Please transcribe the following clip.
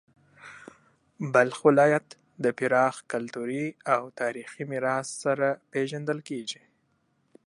بلخ ولایت د پراخ کلتوري او تاریخي میراث سره پیژندل کیږي.